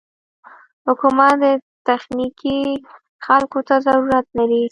حکومت و تخنيکي خلکو ته ضرورت لري.